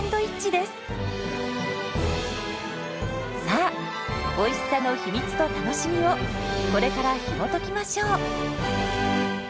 さあおいしさの秘密と楽しみをこれからひもときましょう！